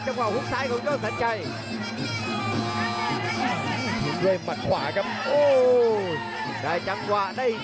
กระโดยสิ้งเล็กนี่ออกกันขาสันเหมือนกันครับ